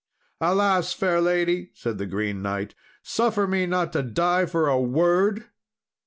"Alas! fair lady," said the Green Knight, "suffer me not to die for a word!